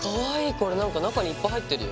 これなんか中にいっぱい入ってるよ。